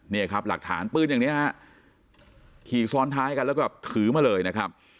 เนี่ยครับหลักฐานปืนอย่างนี้ฮะขี่ซ้อนท้ายกันแล้วก็ถือมาเลยนะครับ